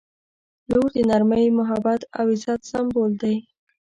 • لور د نرمۍ، محبت او عزت سمبول دی.